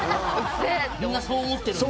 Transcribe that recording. みんなそう思ってるんだ。